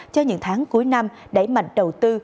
cho những tháng cuối năm đẩy mạnh đầu tư